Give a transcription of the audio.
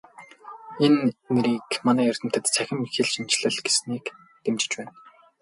Энэ нэрийг манай эрдэмтэд "Цахим хэлшинжлэл" гэснийг дэмжиж байна.